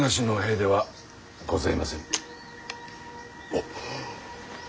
おっ。